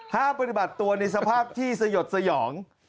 ปฏิบัติตัวในสภาพที่สยดสยอง